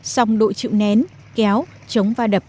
song độ chịu nén kéo chống va đập